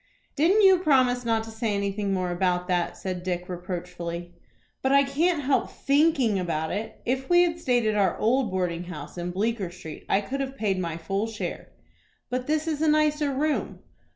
"Didn't you promise not to say anything more about that?" said Dick, reproachfully. "But I can't help thinking about it. If we had stayed at our old boarding house in Bleecker Street, I could have paid my full share." "But this is a nicer room."